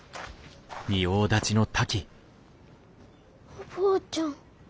おばあちゃん。